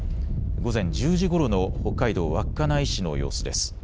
午前１０時ごろの北海道稚内市の様子です。